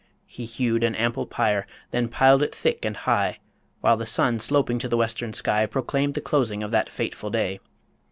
He hewed An ample pyre, then piled it thick and high, While the sun, sloping to the western sky, Proclaimed the closing of that fateful day.